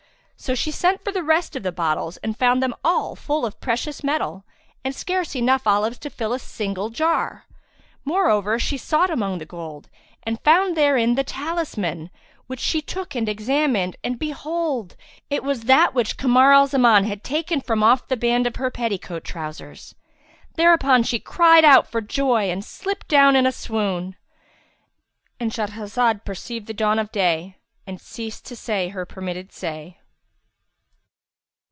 So she sent for the rest of the bottles and found them all full of precious metal and scarce enough olives to fill a single jar. Moreover, she sought among the gold and found therein the talisman, which she took and examined and behold, it was that which Kamar al Zaman had taken from off the band of her petticoat trousers. Thereupon she cried out for joy and slipped down in a swoon;—And Shahrazad perceived the dawn of day and ceased to say her permitted say.